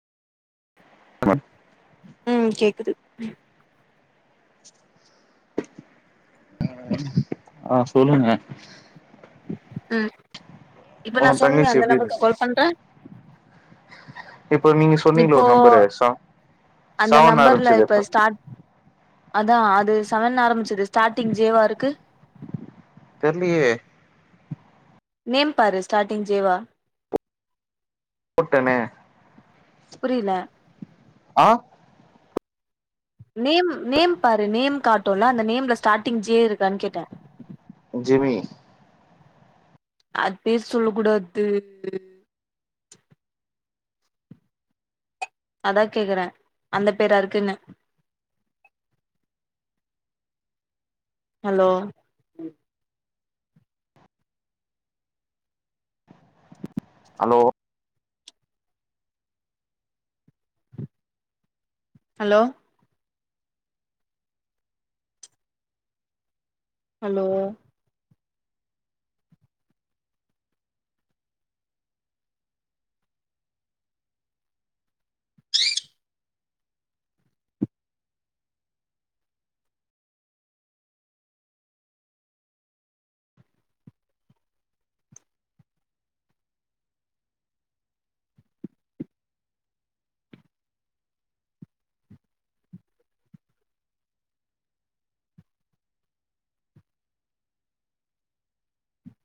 [unintelligible] ம் கேக்குது ஆ சொல்லுங்க ம் இப்ப நா உங்க சொன்னேனே தங்கச்சி அந்த நம்பருக்கா கால் பண்ற இப்ப நீங்க சொன்னீங்கள இப்போ ஒரு நம்பரு ச அந்த செவன்ல நம்பர்ல ஆரம்பிச்சது இப்ப ப ஸ்டார்ட் அதா அது செவன்ல ஆரம்பிச்சுது ஸ்டாட்டிங் ஜியோவா இருக்கு தெர்லயே நேம் பாரு ஸ்டாட்டிங் ஜே வா போட்டனே புரியல ஆ நேம் நேம் பாரு நேம் காட்டுல்ல அந்த நேம்ல ஸ்டாட்டிங் ஜே இருக்கான் கேட்டே ஜெமி அது பேர் சொல்ல கூடாது அதா கேக்குறே அந்த பேரா இருக்குனு ஹலோ அலோ ஹலோ ஹலோ